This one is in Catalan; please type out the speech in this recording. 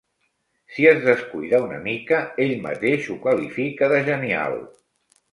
Si es descuida una mica ell mateix ho califica de genial.